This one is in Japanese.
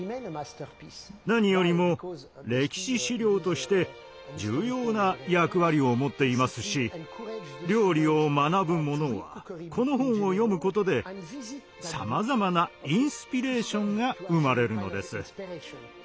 何よりも歴史資料として重要な役割を持っていますし料理を学ぶ者はこの本を読むことでさまざまなインスピレーションが生まれるのです。